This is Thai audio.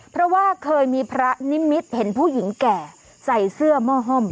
เพราะว่าเคยมีพระนิมิตเห็นผู้หญิงแก่ใส่เสื้อหม้อห้อม